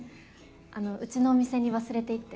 あのうちのお店に忘れていって。